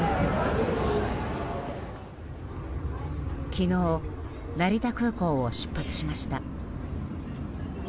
昨日、成田空港を出発しました。